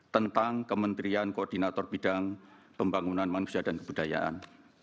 tentang kementerian koordinator bidang pembangunan manusia dan kebudayaan